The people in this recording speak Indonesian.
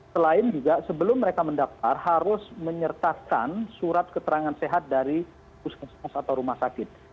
selain juga sebelum mereka mendaftar harus menyertakan surat keterangan sehat dari puskesmas atau rumah sakit